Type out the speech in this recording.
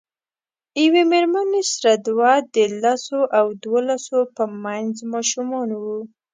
یوې میرمنې سره دوه د لسو او دولسو په منځ ماشومان وو.